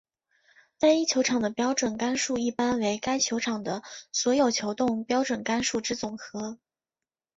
单一球场的标准杆数一般为该球场的所有球洞标准杆数之总和。